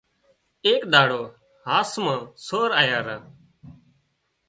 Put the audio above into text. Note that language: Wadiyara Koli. ايڪ ۮاڙو هاس مان سور آيا را